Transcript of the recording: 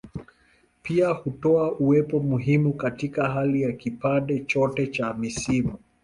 Pia hutoa uwepo muhimu katika hali ya kipande chote cha misimu.